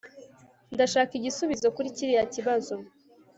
Ndashaka igisubizo kuri kiriya kibazo